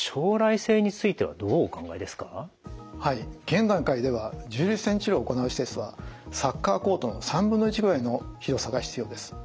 現段階では重粒子線治療を行う施設はサッカーコートの３分の１ぐらいの広さが必要です。